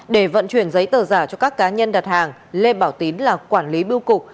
để vận chuyển giấy tờ giả cho các cá nhân đặt hàng lê bảo tín là quản lý bưu cục